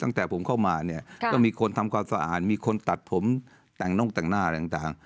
ตั้งแต่ผมเข้ามาเนี่ยก็มีคนทำความสะอาดมีคนตัดผมแต่งนกแต่งหน้าต่าง